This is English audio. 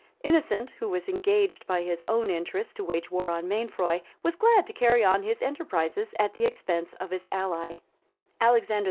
Innocent, who was engaged by his own interests to wage war with Mainfroy, was glad to carry on his enterprises at the expense of his ally: Alexander IV.